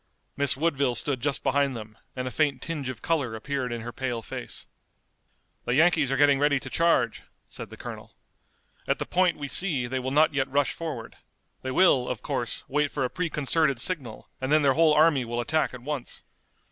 Miss Woodville stood just behind them, and a faint tinge of color appeared in her pale face. "The Yankees are getting ready to charge," said the colonel. "At the point we see they will not yet rush forward. They will, of course, wait for a preconcerted signal, and then their whole army will attack at once.